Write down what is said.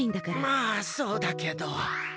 まあそうだけど。